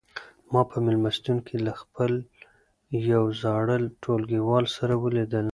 ما په مېلمستون کې له خپل یو زاړه ټولګیوال سره ولیدل.